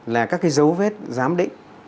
là các dấu vết giám định